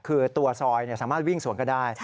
คือตัวซอยสามารถวิ่งสวนก็ได้